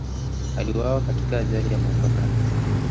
Aliuawa katika ajali ya motokaa.